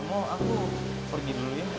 mau aku pergi dulu ya